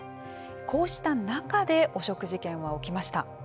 こうした中で汚職事件は起きました。